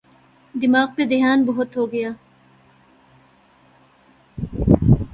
دفاع پہ دھیان بہت ہو گیا۔